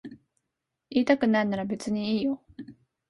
言いたくないなら別にいいよ。